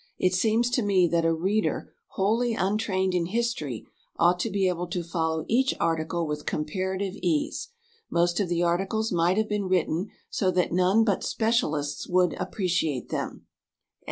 It seems to me that a reader wholly untrained in history ought to be able to follow each article with comparative ease. Most of the articles might have been written so that none but specialists would appreciate them."